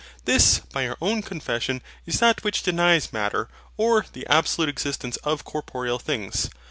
This, by your own confession, is that which denies Matter, or the ABSOLUTE existence of corporeal things.